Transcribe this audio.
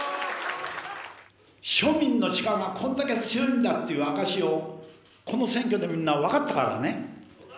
庶民の力がこれだけ強いんだっていう証しをこの選挙でみんなわかったからね。